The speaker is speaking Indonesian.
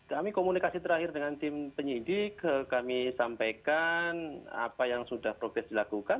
kami komunikasi terakhir dengan tim penyidik kami sampaikan apa yang sudah progres dilakukan